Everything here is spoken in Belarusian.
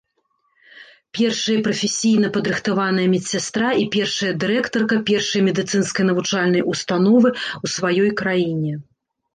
Першая прафесійна падрыхтаваная медсястра і першая дырэктарка першай медыцынскай навучальнай ўстановы ў сваёй краіне.